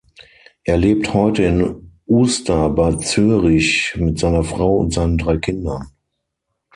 Er lebt heute in Uster bei Zürich mit seiner Frau und seinen drei Kindern.